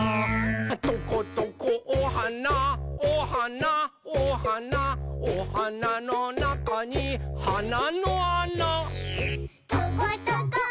「トコトコおはなおはなおはなおはなのなかにはなのあな」「トコトコおくちおくち